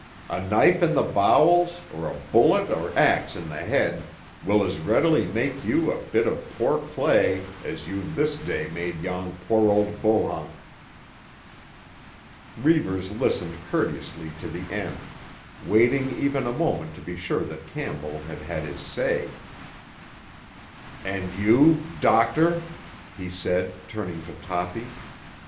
A knife in the bowels, or a bullet or ax in the head will as readily make you a bit of poor clay as you've this day made yon poor old Bohunk." Reivers listened courteously to the end, waiting even a moment to be sure that Campbell had had his say. "And you—doctor?" he said turning to Toppy.